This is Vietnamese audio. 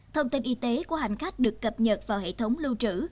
thông tin y tế của hành khách được cập nhật vào hệ thống lưu trữ